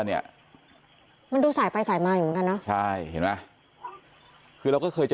เนี่ยมันดูสายไปสายมาอยู่เหมือนกันเนอะใช่เห็นไหมคือเราก็เคยจะ